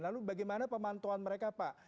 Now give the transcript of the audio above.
lalu bagaimana pemantauan mereka pak